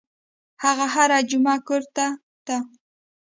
هغه هره جمعه کور ته ته.